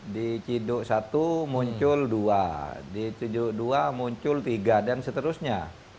di ciduk satu muncul dua di ciduk dua muncul tiga dan seterusnya